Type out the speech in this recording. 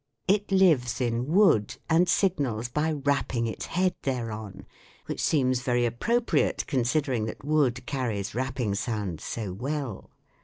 It lives in wood, and signals by 106 THE WORLD OF SOUND Crapping its head thereon, which seems very ap propriate considering that wood carries rapping sounds so well.